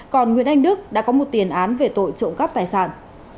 còn nguyễn anh đức đã có một tiền án về tội trộm cắp tài sản